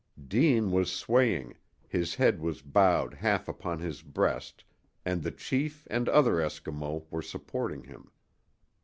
Deane was swaying, his head was bowed half upon his breast, and the chief and another Eskimo were supporting him.